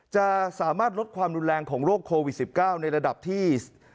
จะสามารถลดความรุนแรงของโรคโควิด๑๙ในระดับที่